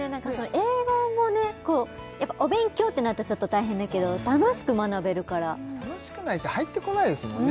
英語もやっぱお勉強ってなるとちょっと大変だけど楽しく学べるから楽しくないと入ってこないですもんね